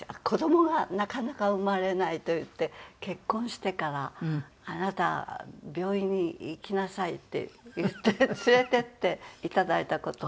子どもがなかなか生まれないといって結婚してから「あなた病院に行きなさい」っていって連れていっていただいた事。